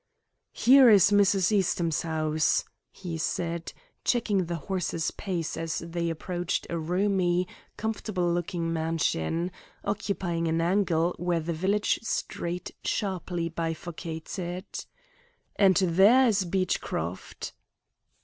"Here is Mrs. Eastham's house," he said, checking the horse's pace as they approached a roomy, comfortable looking mansion, occupying an angle where the village street sharply bifurcated. "And there is Beechcroft!"